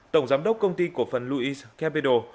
tổng giám đốc công ty cổ phần louis capital